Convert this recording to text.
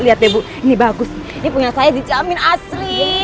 lihat ya bu ini bagus ini punya saya dijamin asli